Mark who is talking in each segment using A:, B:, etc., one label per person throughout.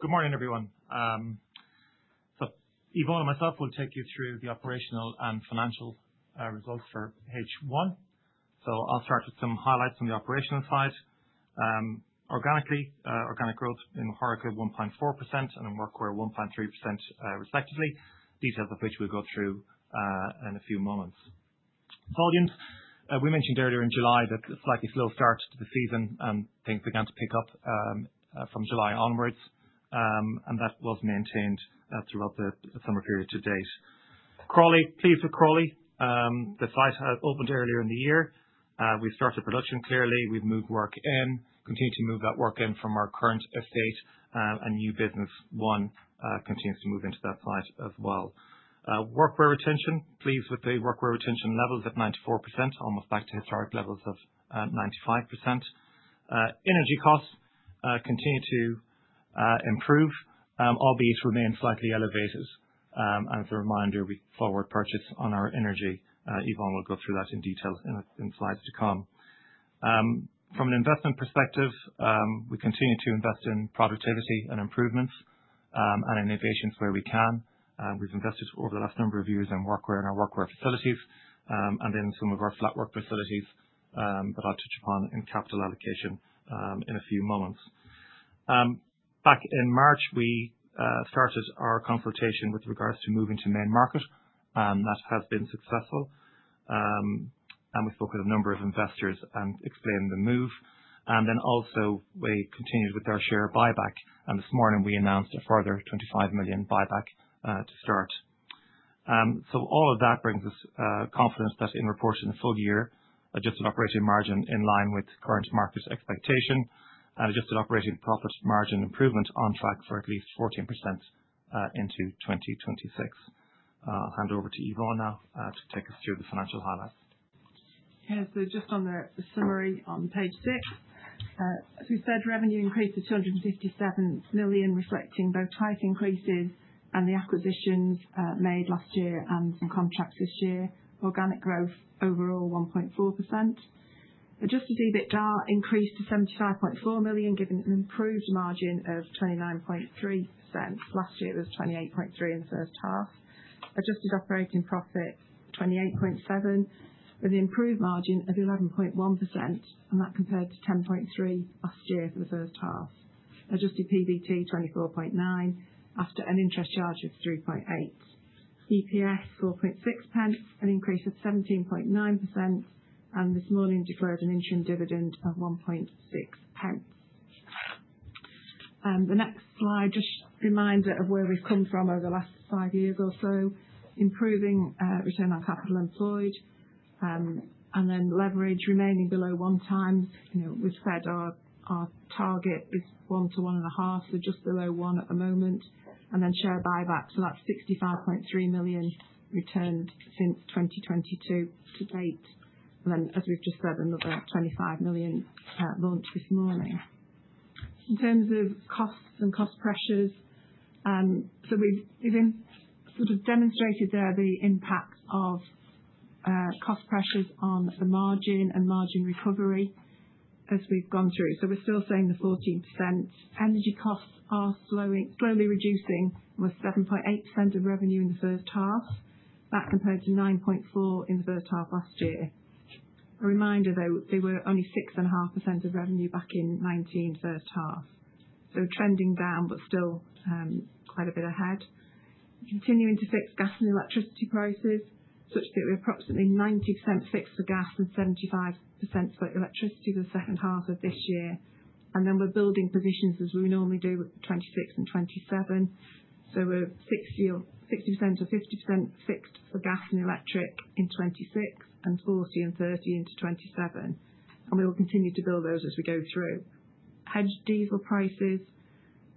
A: Good morning, everyone. Yvonne and myself will take you through the operational and financial results for H1. I'll start with some highlights on the operational side. Organic growth in HoReCa 1.4% and in Workwear 1.3%, respectively, details of which we'll go through in a few moments. Volumes, we mentioned earlier in July that a slightly slow start to the season, things began to pick up from July onwards, and that was maintained throughout the summer period to date. Crawley, pleased with Crawley, the site had opened earlier in the year. We've started production clearly. We've moved work in, continued to move that work in from our current estate, and new business one continues to move into that site as well. Workwear retention, pleased with the Workwear retention levels at 94%, almost back to historic levels of 95%. Energy costs continue to improve, albeit remain slightly elevated. As a reminder, we forward purchase on our energy. Yvonne will go through that in detail in slides to come. From an investment perspective, we continue to invest in productivity and improvements, and innovations where we can. We've invested over the last number of years in Workwear and our Workwear facilities, and then some of our flatwork facilities, that I'll touch upon in capital allocation, in a few moments. Back in March, we started our consultation with regards to moving to main market, that has been successful. And we spoke with a number of investors and explained the move. And then also we continued with our share buyback, and this morning we announced a further 25 million buyback, to start. So all of that brings us confidence that in reporting the full year adjusted operating margin in line with current market expectation, and adjusted operating profit margin improvement on track for at least 14% into 2026. I'll hand over to Yvonne now to take us through the financial highlights.
B: Yeah, so just on the summary on page six, as we said, revenue increased to 257 million, reflecting both price increases and the acquisitions, made last year and some contracts this year. Organic growth overall 1.4%. Adjusted EBITDA increased to 75.4 million, giving an improved margin of 29.3%. Last year it was 28.3% in the H1. Adjusted operating profit 28.7, with an improved margin of 11.1%, and that compared to 10.3% last year for the H1. Adjusted PBT 24.9 after an interest charge of 3.8. EPS 0.046, an increase of 17.9%, and this morning declared an interim dividend of 0.016 pounds. The next slide, just a reminder of where we've come from over the last five years or so, improving return on capital employed, and then leverage remaining below one times. You know, we've said our target is one to one and a half, so just below one at the moment, and then share buyback, so that's 65.3 million returned since 2022 to date, and then, as we've just said, another 25 million, launched this morning. In terms of costs and cost pressures, we've been sort of demonstrated there the impact of cost pressures on the margin and margin recovery as we've gone through, so we're still seeing the 14%. Energy costs are slowing, slowly reducing. We're 7.8% of revenue in the H1, that compared to 9.4% in the H1 last year. A reminder though, they were only 6.5% of revenue back in 2019 H1. So trending down but still quite a bit ahead. Continuing to fix gas and electricity prices, such that we're approximately 90% fixed for gas and 75% for electricity the H2 of this year. Then we're building positions as we normally do with 2026 and 2027. So we're 60 or 60% or 50% fixed for gas and electric in 2026 and 40% and 30% into 2027. And we will continue to build those as we go through. Hedged diesel prices,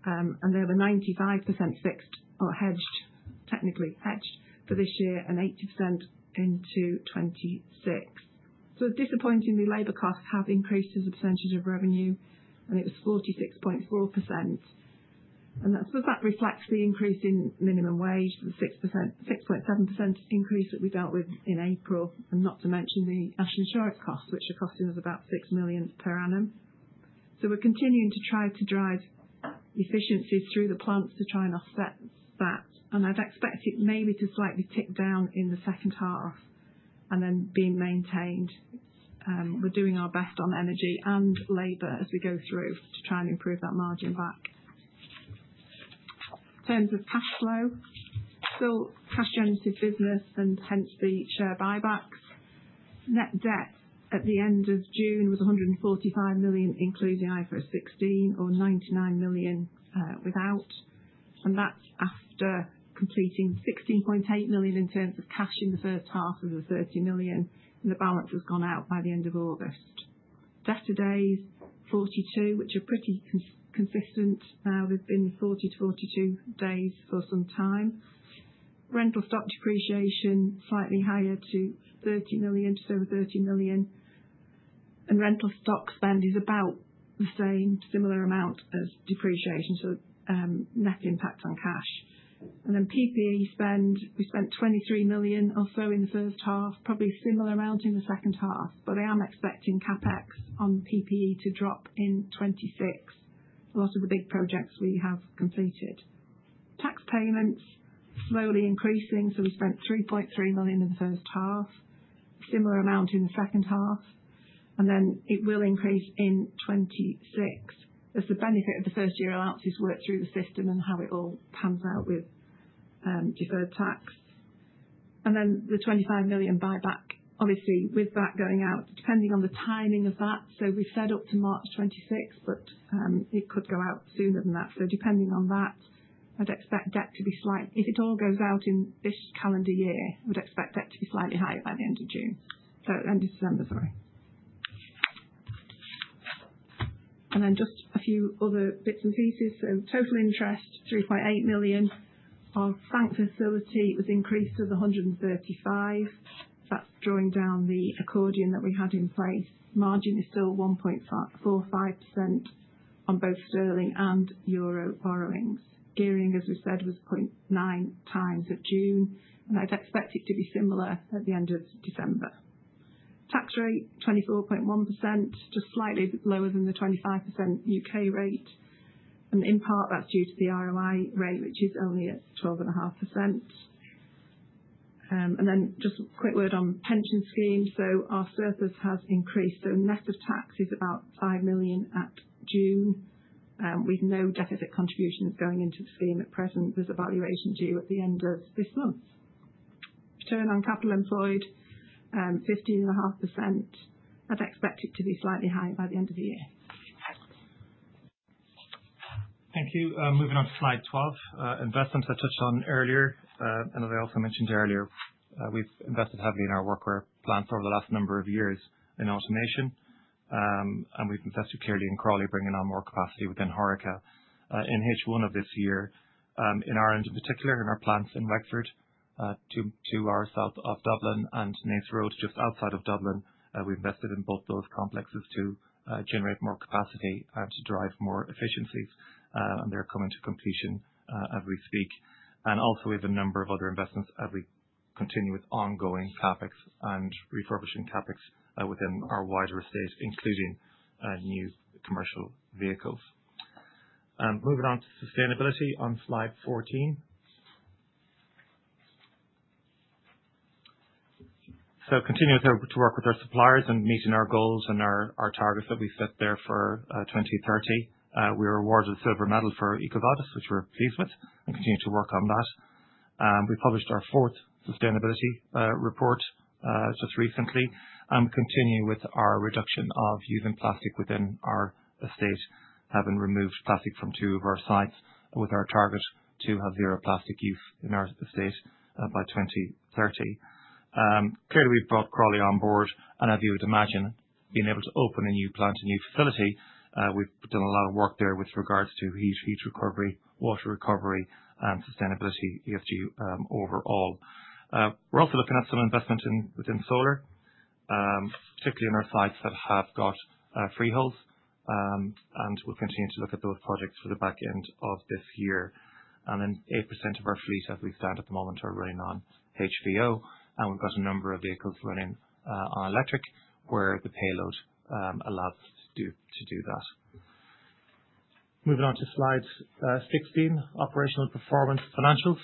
B: and they were 95% fixed or hedged, technically hedged for this year and 80% into 2026. So disappointingly, labor costs have increased as a percentage of revenue, and it was 46.4%. And that, so that reflects the increase in minimum wage, the 6%, 6.7% increase that we dealt with in April, and not to mention the National Insurance costs, which are costing us about 6 million per annum. So we're continuing to try to drive efficiencies through the plants to try and offset that. And I'd expect it maybe to slightly tick down in the H2 and then be maintained. We're doing our best on energy and labor as we go through to try and improve that margin back. In terms of cash flow, still cash-generative business and hence the share buybacks. Net debt at the end of June was 145 million, including IFRS 16, or 99 million, without. And that's after completing 16.8 million in terms of cash in the H1 of the 30 million, and the balance has gone out by the end of August. Debtor days 42, which are pretty consistent. We've been 40-42 days for some time. Rental stock depreciation, slightly higher to 30 million, to over 30 million. Rental stock spend is about the same, similar amount as depreciation, so net impact on cash. Then PPE spend, we spent 23 million or so in the H1, probably a similar amount in the H2, but I am expecting CapEx on PPE to drop in 2026, a lot of the big projects we have completed. Tax payments, slowly increasing, so we spent 3.3 million in the H1, a similar amount in the H2, and then it will increase in 2026. There's the benefit of the first year allowances worked through the system and how it all pans out with deferred tax. Then the 25 million buyback, obviously with that going out, depending on the timing of that, so we said up to March 2026, but it could go out sooner than that. So depending on that, I'd expect debt to be slight, if it all goes out in this calendar year. I would expect debt to be slightly higher by the end of June. Sorry, end of December, sorry. And then just a few other bits and pieces. So total interest, 3.8 million. Our bank facility was increased to the 135 million. That's drawing down the accordion that we had in place. Margin is still 1.45% on both sterling and euro borrowings. Gearing, as we said, was 0.9x of June, and I'd expect it to be similar at the end of December. Tax rate, 24.1%, just slightly lower than the 25% UK rate. And in part, that's due to the ROI rate, which is only at 12.5%. And then just a quick word on pension schemes. So our surplus has increased. So net of tax is about 5 million at June. We've no deficit contributions going into the scheme at present. There's a valuation due at the end of this month. Return on Capital Employed, 15.5%. I'd expect it to be slightly higher by the end of the year.
A: Thank you. Moving on to slide 12, investments I touched on earlier, and as I also mentioned earlier, we've invested heavily in our Workwear plants over the last number of years in automation. We've invested clearly in Crawley, bringing on more capacity within HoReCa, in H1 of this year. In Ireland in particular, in our plants in Wexford to the south of Dublin and Naas Road just outside of Dublin, we invested in both those complexes to generate more capacity and to drive more efficiencies. They're coming to completion as we speak. We also have a number of other investments as we continue with ongoing CapEx and refurbishing CapEx within our wider estate, including new commercial vehicles. Moving on to sustainability on slide 14. Continuing to work with our suppliers and meeting our goals and our targets that we set there for 2030. We were awarded a silver medal for EcoVadis, which we're pleased with, and continue to work on that. We published our fourth sustainability report just recently, and we continue with our reduction of using plastic within our estate, having removed plastic from two of our sites, with our target to have zero plastic use in our estate by 2030. Clearly, we've brought Crawley on board, and as you would imagine, being able to open a new plant and new facility, we've done a lot of work there with regards to heat, heat recovery, water recovery, and sustainability, ESG, overall. We're also looking at some investment within solar, particularly in our sites that have got freeholds, and we'll continue to look at those projects for the back end of this year. Then 8% of our fleet, as we stand at the moment, are running on HVO, and we've got a number of vehicles running on electric where the payload allows us to do that. Moving on to slide 16, operational performance and financials.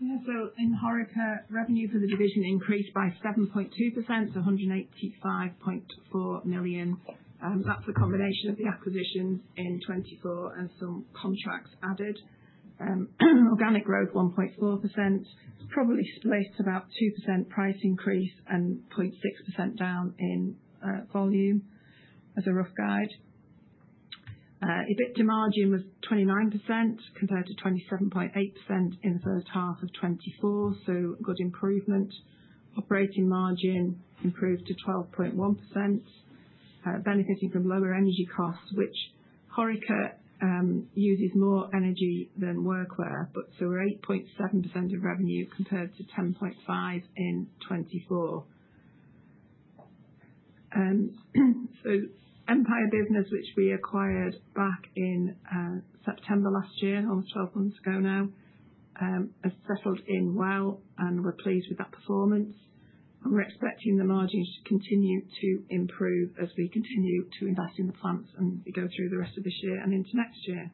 B: Yeah, so in HoReCa, revenue for the division increased by 7.2% to 185.4 million. That's a combination of the acquisitions in 2024 and some contracts added. Organic growth 1.4%, probably split about 2% price increase and 0.6% down in volume, as a rough guide. EBITDA margin was 29% compared to 27.8% in the H1 of 2024, so good improvement. Operating margin improved to 12.1%, benefiting from lower energy costs, which HoReCa uses more energy than Workwear, but so we're 8.7% of revenue compared to 10.5% in 2024. So Empire business, which we acquired back in September last year, almost 12 months ago now, has settled in well and we're pleased with that performance. And we're expecting the margins to continue to improve as we continue to invest in the plants and go through the rest of this year and into next year.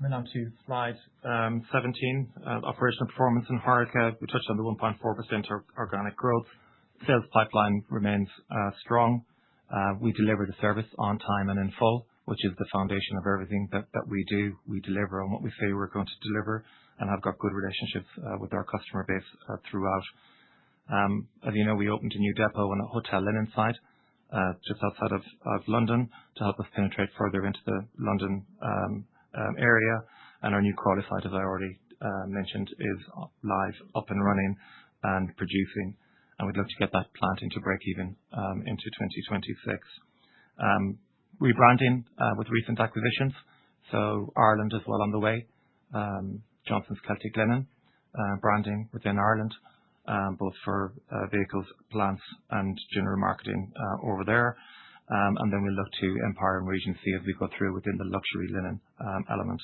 A: Moving on to slide 17, operational performance in HoReCa. We touched on the 1.4% organic growth. Sales pipeline remains strong. We deliver the service on time and in full, which is the foundation of everything that we do. We deliver on what we say we're going to deliver and have got good relationships with our customer base throughout. As you know, we opened a new depot on the hotel linen side just outside of London to help us penetrate further into the London area, and our new Crawley site, as I already mentioned, is live, up and running and producing, and we'd love to get that plant into breakeven into 2026, rebranding with recent acquisitions, so Ireland as well on the way. Johnsons Celtic Linen branding within Ireland both for vehicles, plants, and general marketing over there. And then we'll look to Empire and Regency as we go through within the luxury linen element,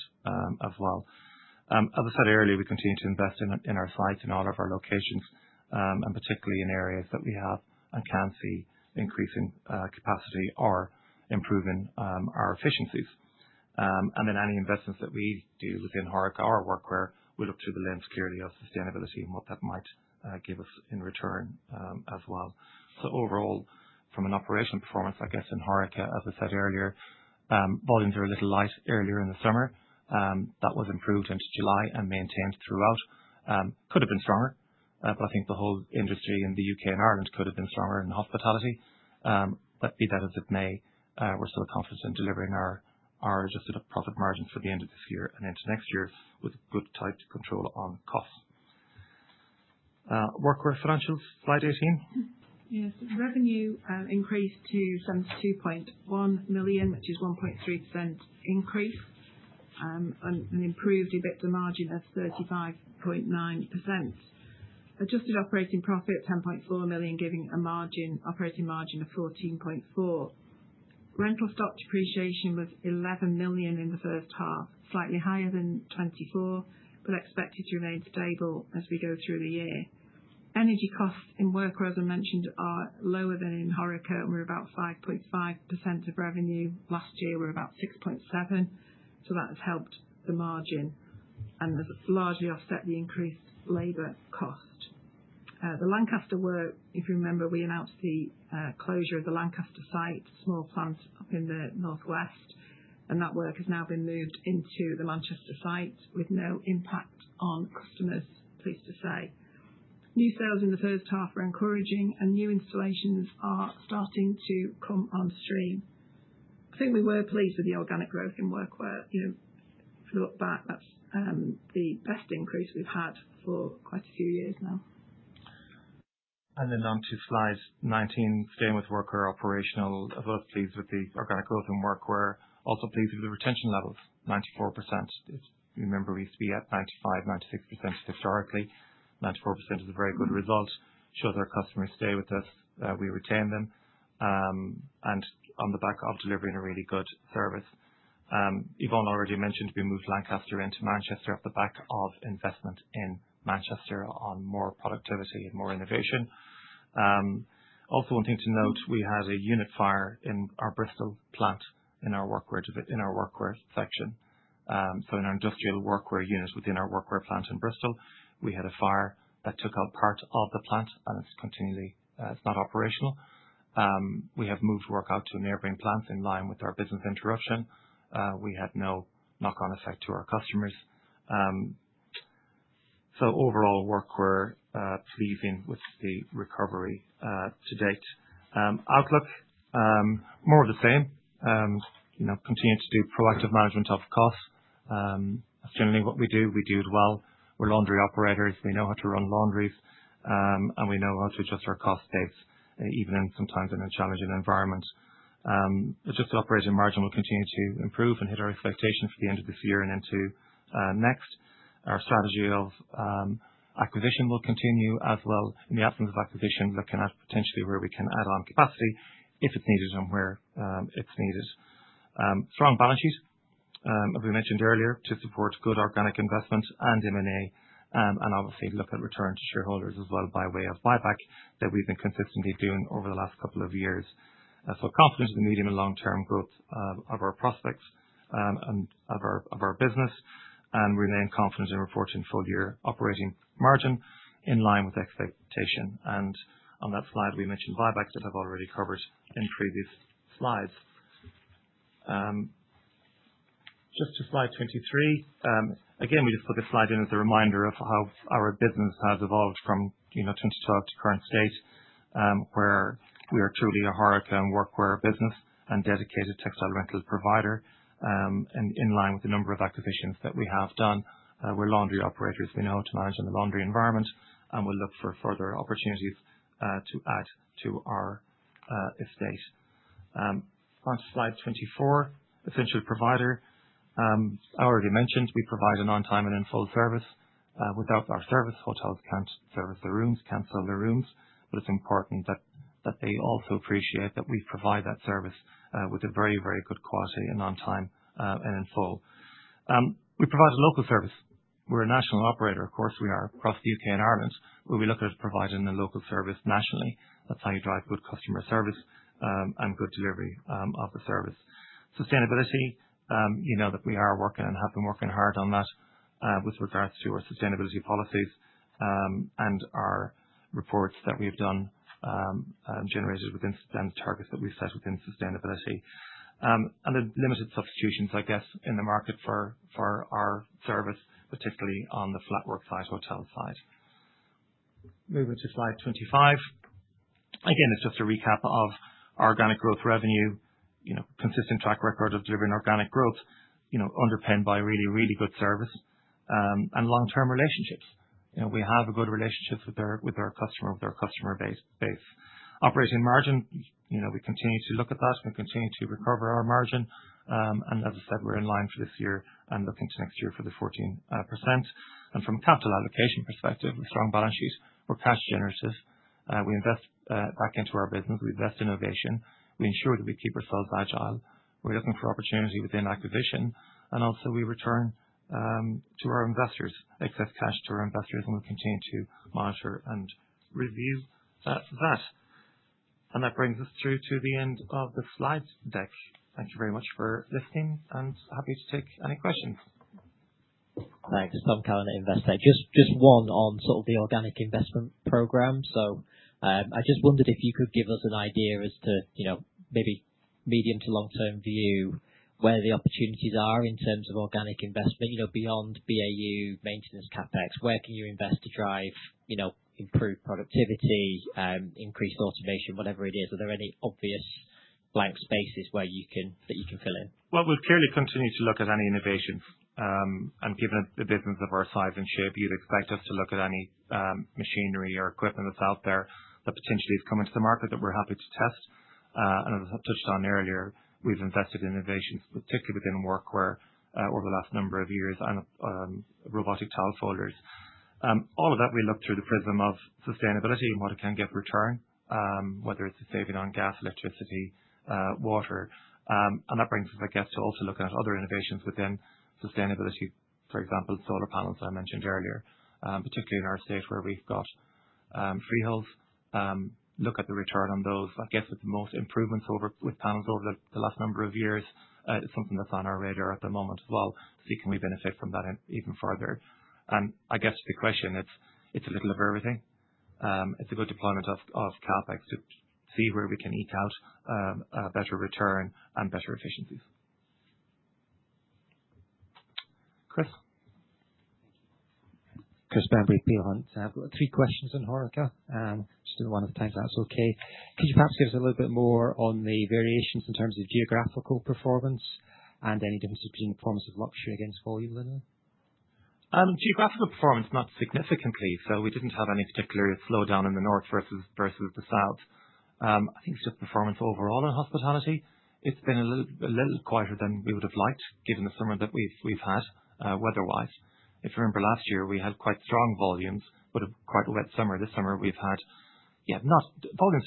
A: as well. As I said earlier, we continue to invest in our sites and all of our locations, and particularly in areas that we have and can see increasing capacity or improving our efficiencies. And then any investments that we do within HoReCa or Workwear, we look through the lens clearly of sustainability and what that might give us in return, as well. So overall, from an operational performance, I guess in HoReCa, as I said earlier, volumes were a little light earlier in the summer. That was improved into July and maintained throughout. It could have been stronger, but I think the whole industry in the UK and Ireland could have been stronger in hospitality. Be that as it may, we're still confident in delivering our, our adjusted profit margins for the end of this year and into next year with good tight control on costs. Workwear financials, slide 18.
B: Yes, revenue increased to 72.1 million, which is 1.3% increase, and an improved EBITDA margin of 35.9%. Adjusted operating profit 10.4 million, giving a margin, operating margin of 14.4%. Rental stock depreciation was 11 million in the H1, slightly higher than 2024, but expected to remain stable as we go through the year. Energy costs in Workwear, as I mentioned, are lower than in HoReCa, and we're about 5.5% of revenue. Last year, we're about 6.7%, so that has helped the margin and has largely offset the increased labor cost. The Lancaster work, if you remember, we announced the closure of the Lancaster site, small plant up in the northwest, and that work has now been moved into the Manchester site with no impact on customers, pleased to say. New sales in the H1 are encouraging, and new installations are starting to come on stream. I think we were pleased with the organic growth in Workwear. You know, if you look back, that's the best increase we've had for quite a few years now.
A: And then on to slide 19, staying with Workwear operational. We are also pleased with the organic growth in Workwear. We are also pleased with the retention levels, 94%. If you remember, we used to be at 95%, 96% historically. 94% is a very good result. It shows our customers stay with us. We retain them, and on the back of delivering a really good service. Yvonne already mentioned we moved Lancaster into Manchester at the back of investment in Manchester on more productivity and more innovation. Also, one thing to note, we had a unit fire in our Bristol plant in our Workwear, in our Workwear section. So in our industrial Workwear unit within our Workwear plant in Bristol, we had a fire that took out part of the plant, and it's currently not operational. We have moved work out to neighboring plants in line with our business interruption. We had no knock-on effect to our customers. So overall, Workwear, pleasing with the recovery, to date. Outlook, more of the same. You know, continue to do proactive management of costs. That's generally what we do. We do it well. We're laundry operators. We know how to run laundries, and we know how to adjust our cost base, even sometimes in a challenging environment. Adjusted operating margin will continue to improve and hit our expectation for the end of this year and into next. Our strategy of acquisition will continue as well. In the absence of acquisition, looking at potentially where we can add on capacity if it's needed and where it's needed. Strong balance sheet, as we mentioned earlier, to support good organic investments and M&A, and obviously look at return to shareholders as well by way of buyback that we've been consistently doing over the last couple of years, so confident in the medium and long-term growth of our prospects and of our business. We remain confident in reporting full-year operating margin in line with expectation, and on that slide, we mentioned buybacks that have already covered in previous slides. Just to slide 23, again, we just put this slide in as a reminder of how our business has evolved from, you know, 2012 to current state, where we are truly a HoReCa and Workwear business and dedicated textile rental provider, and in line with the number of acquisitions that we have done. We're laundry operators. We know how to manage in the laundry environment, and we'll look for further opportunities to add to our estate. Onto slide 24, essential provider. I already mentioned we provide an on-time and in-full service. Without our service, hotels can't service their rooms, can't sell their rooms, but it's important that, that they also appreciate that we provide that service with a very, very good quality and on-time, and in full. We provide a local service. We're a national operator, of course. We are across the UK and Ireland. We'll be looking at providing a local service nationally. That's how you drive good customer service, and good delivery of the service. Sustainability, you know that we are working and have been working hard on that, with regards to our sustainability policies, and our reports that we've done, generated within the targets that we've set within sustainability. And the limited substitutions, I guess, in the market for our service, particularly on the flatwork side, hotel side. Moving to slide 25. Again, it's just a recap of organic growth revenue, you know, consistent track record of delivering organic growth, you know, underpinned by really, really good service and long-term relationships. You know, we have a good relationship with our customer base. Operating margin, you know, we continue to look at that. We continue to recover our margin, and as I said, we're in line for this year and looking to next year for the 14%. From a capital allocation perspective, a strong balance sheet. We're cash generative. We invest back into our business. We invest in innovation. We ensure that we keep ourselves agile. We're looking for opportunity within acquisition. And also we return to our investors excess cash, and we'll continue to monitor and review that. And that brings us through to the end of the slide deck. Thank you very much for listening and happy to take any questions.
C: Thanks. I'm Carolyn, Investec. Just one on sort of the organic investment program. So, I just wondered if you could give us an idea as to, you know, maybe medium- to long-term view where the opportunities are in terms of organic investment, you know, beyond BAU, maintenance, CapEx. Where can you invest to drive, you know, improved productivity, increased automation, whatever it is? Are there any obvious blank spaces where you can, that you can fill in?
A: We've clearly continued to look at any innovation, and given the business of our size and shape, you'd expect us to look at any machinery or equipment that's out there that potentially is coming to the market that we're happy to test. As I touched on earlier, we've invested in innovations, particularly within Workwear, over the last number of years and robotic tile folders. All of that we look through the prism of sustainability and what it can get return, whether it's a saving on gas, electricity, water. That brings us, I guess, to also looking at other innovations within sustainability, for example, solar panels that I mentioned earlier, particularly in our sites where we've got freeholds. Look at the return on those, I guess, with the most improvements over the panels over the last number of years. It's something that's on our radar at the moment as well, see can we benefit from that even further. And I guess to the question, it's a little of everything. It's a good deployment of CapEx to see where we can eke out a better return and better efficiencies. Chris.
D: Chris Bamberry, Peel Hunt. I've got three questions on HoReCa. Just doing one at a time if that's okay. Could you perhaps give us a little bit more on the variations in terms of geographical performance and any differences between performance of luxury against volume linen?
A: Geographical performance, not significantly. We didn't have any particular slowdown in the north versus the south. I think it's just performance overall in hospitality. It's been a little quieter than we would have liked given the summer that we've had, weather-wise. If you remember last year, we had quite strong volumes, but a quite wet summer. This summer we've had, yeah, not volumes.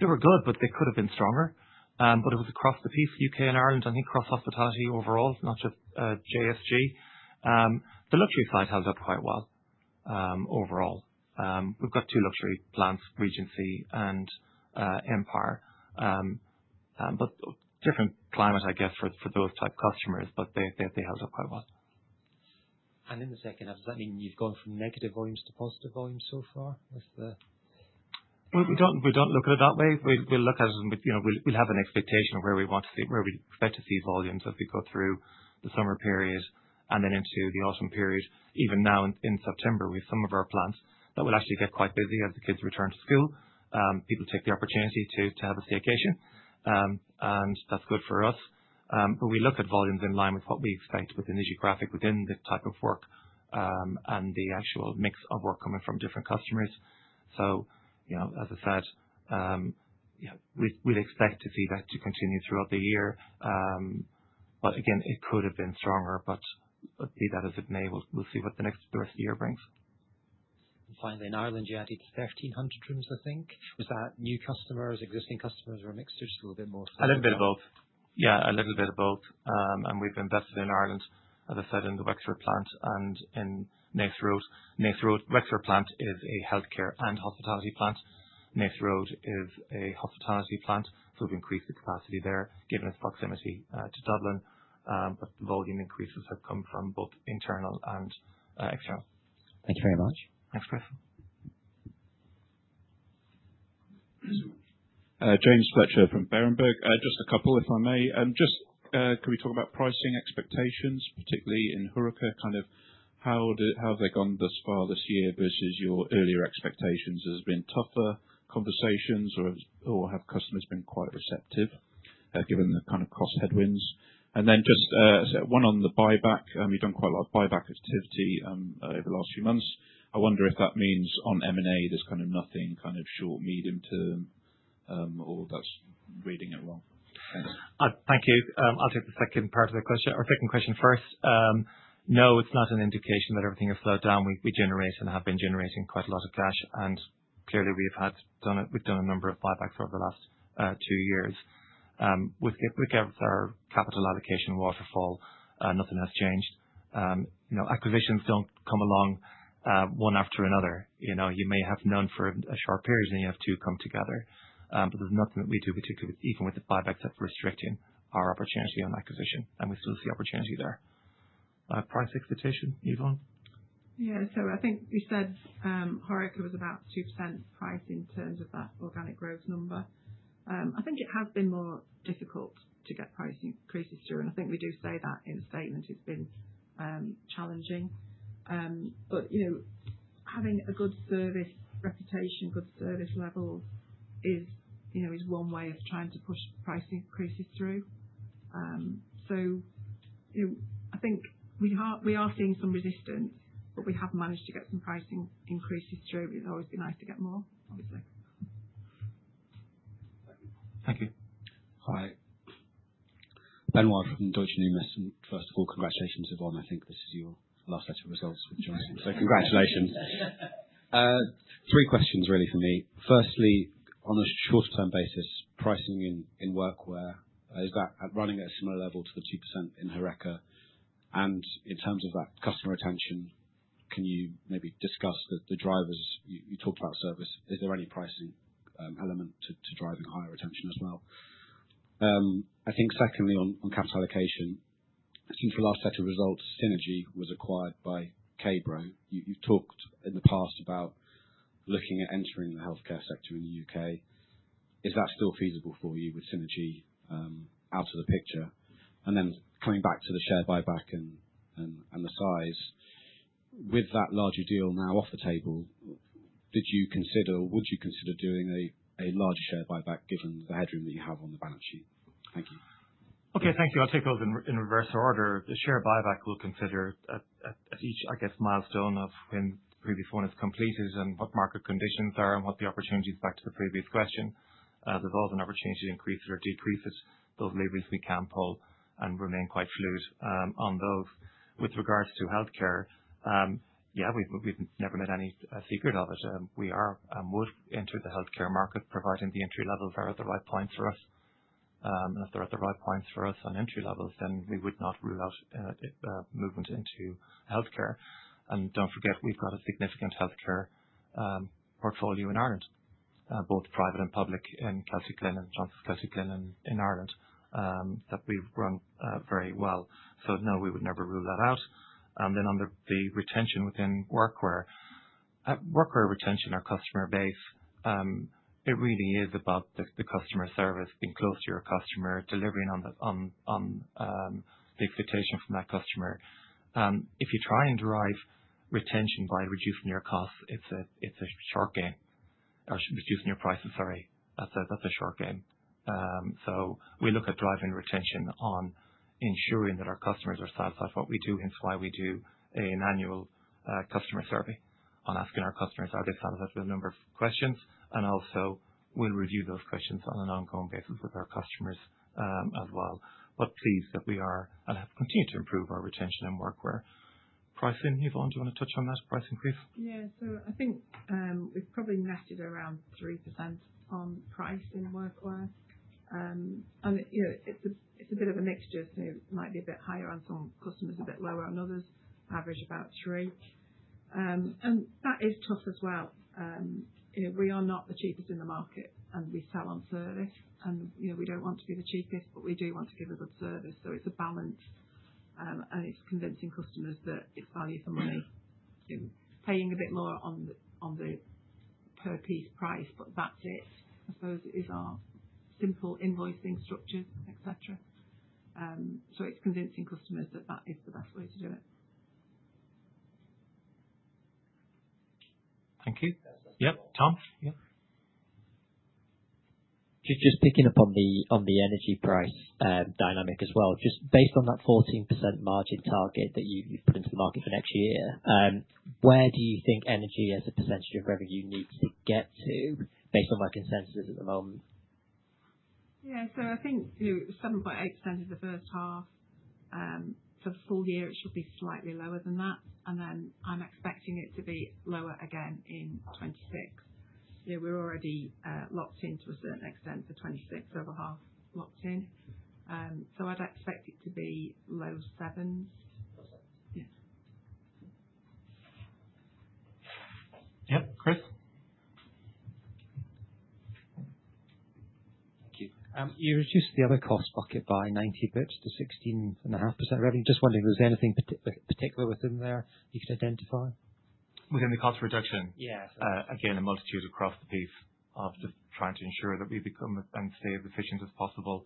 A: They were good, but they could have been stronger, but it was across the piece, UK and Ireland. I think across hospitality overall, not just JSG. The luxury side held up quite well overall. We've got two luxury plants, Regency and Empire. But different climate, I guess, for those type customers, but they held up quite well.
D: In the H2, does that mean you've gone from negative volumes to positive volumes so far with the?
A: We don't look at it that way. We look at it and you know we'll have an expectation of where we want to see where we expect to see volumes as we go through the summer period and then into the autumn period. Even now in September, we have some of our plants that will actually get quite busy as the kids return to school. People take the opportunity to have a staycation, and that's good for us. We look at volumes in line with what we expect within the geographic, within the type of work, and the actual mix of work coming from different customers. You know, as I said, yeah, we'd expect to see that to continue throughout the year. Again, it could have been stronger, but let's be that as it may. We'll see what the rest of the year brings.
D: And finally, in Ireland, yeah, I think it's 1,300 rooms, I think. Was that new customers, existing customers, or a mixture, just a little bit more?
A: A little bit of both. Yeah, a little bit of both, and we've invested in Ireland, as I said, in the Wexford plant and in Naas Road. Naas Road, Wexford plant is a healthcare and hospitality plant. Naas Road is a hospitality plant. So we've increased the capacity there given its proximity to Dublin, but the volume increases have come from both internal and external.
D: Thank you very much.
E: Thanks, Chris.
F: James Fletcher from Berenberg. Just a couple, if I may. Just, can we talk about pricing expectations, particularly in HoReCa? Kind of how did, how have they gone thus far this year versus your earlier expectations? Has it been tougher conversations or, or have customers been quite receptive, given the kind of cost headwinds? And then just, one on the buyback. You've done quite a lot of buyback activity over the last few months. I wonder if that means on M&A there's kind of nothing, kind of short, medium term, or that's reading it wrong. Thanks.
E: Thank you. I'll take the second part of the question or second question first. No, it's not an indication that everything has slowed down. We generate and have been generating quite a lot of cash. And clearly we've done a number of buybacks over the last two years. With regards to our capital allocation waterfall, nothing has changed. You know, acquisitions don't come along one after another. You know, you may have none for a short period and then you have two come together. But there's nothing that we do, particularly with even with the buybacks that restricting our opportunity on acquisition. And we still see opportunity there. Price expectation, Yvonne?
B: Yeah. I think we said HoReCa was about 2% price in terms of that organic growth number. I think it has been more difficult to get price increases through. I think we do say that in the statement. It's been challenging, but you know, having a good service reputation, good service level is, you know, is one way of trying to push price increases through. You know, I think we are seeing some resistance, but we have managed to get some price increases through. It's always been nice to get more, obviously.
F: Thank you.
G: Hi, Benoit from Deutsche Numis. And first of all, congratulations, Yvonne. I think this is your last set of results with John. So congratulations. Three questions really for me. Firstly, on a shorter-term basis, pricing in Workwear, is that running at a similar level to the 2% in HoReCa? And in terms of that customer retention, can you maybe discuss the drivers? You talked about service. Is there any pricing element to driving higher retention as well? I think secondly, on capital allocation, since the last set of results, Synergy was acquired by Cabro. You have talked in the past about looking at entering the healthcare sector in the UK. Is that still feasible for you with Synergy out of the picture? Coming back to the share buyback and the size, with that larger deal now off the table, would you consider doing a larger share buyback given the headroom that you have on the balance sheet? Thank you.
A: Okay. Thank you. I'll take those in reverse order. The share buyback we'll consider at each, I guess, milestone of when the previous one is completed and what market conditions are and what the opportunity is back to the previous question. There's always an opportunity to increase it or decrease it. Those levers we can pull and remain quite fluid on those. With regards to healthcare, yeah, we've never made any secret of it. We would enter the healthcare market providing the entry levels are at the right points for us. If they're at the right points for us on entry levels, then we would not rule out movement into healthcare. Don't forget, we've got a significant healthcare portfolio in Ireland, both private and public in Johnsons Celtic Linen in Ireland, that we've run very well. So no, we would never rule that out. And then under the retention within Workwear, Workwear retention, our customer base, it really is about the customer service, being close to your customer, delivering on the expectation from that customer. And if you try and drive retention by reducing your costs, it's a short game. Or reducing your prices, sorry. That's a short game. So we look at driving retention on ensuring that our customers are satisfied with what we do. Hence why we do an annual customer survey on asking our customers, are they satisfied with the number of questions? And also we'll review those questions on an ongoing basis with our customers, as well. But pleased that we are and have continued to improve our retention in Workwear. Pricing, Yvonne, do you want to touch on that price increase?
B: Yeah. So I think we've probably netted around 3% on price in Workwear. And you know, it's a bit of a mixture. So it might be a bit higher on some customers, a bit lower on others, average about 3%. And that is tough as well. You know, we are not the cheapest in the market and we sell on service. And you know, we don't want to be the cheapest, but we do want to give a good service. So it's a balance, and it's convincing customers that it's value for money. You know, paying a bit more on the per piece price, but that's it. I suppose it is our simple invoicing structures, etc. So it's convincing customers that that is the best way to do it.
G: Thank you.
H: Yep. Tom? Yeah. Just picking up on the energy price dynamic as well. Just based on that 14% margin target that you've put into the market for next year, where do you think energy as a percentage of revenue needs to get to based on my consensus at the moment?
B: Yeah. So I think, you know, 7.8% is the H1. For the full year, it should be slightly lower than that. And then I'm expecting it to be lower again in 2026. You know, we're already locked into a certain extent for 2026, over half locked in. So I'd expect it to be low sevens.
E: Percent. Yeah. Yep. Chris?
D: Thank you. You reduced the other cost bucket by 90 basis points to 16.5% revenue. Just wondering if there's anything particular within there you could identify?
E: Within the cost reduction?
D: Yeah.
A: Again, a multitude of cross-brief after trying to ensure that we become as steady as efficient as possible.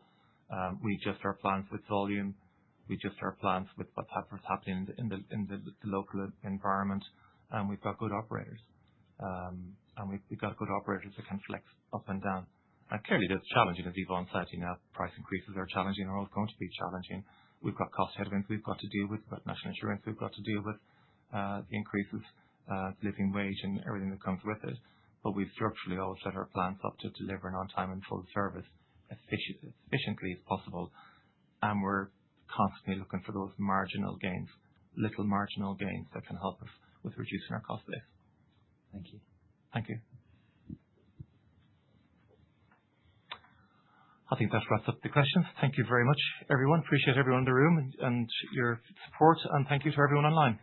A: We adjust our plans with volume. We adjust our plans with what's happening in the local environment. And we've got good operators that can flex up and down. And clearly that's challenging, as Yvonne said. You know, price increases are challenging. They're always going to be challenging. We've got cost headwinds we've got to deal with, we've got national insurance we've got to deal with, the increases, the living wage and everything that comes with it. But we've structurally always set our plans up to deliver on time and full service efficiently as possible. And we're constantly looking for those marginal gains, little marginal gains that can help us with reducing our cost base.
H: Thank you.
E: Thank you. I think that wraps up the questions. Thank you very much, everyone. Appreciate everyone in the room and your support. And thank you to everyone online.